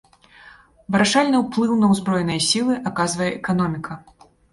Вырашальны ўплыў на ўзброеныя сілы аказвае эканоміка.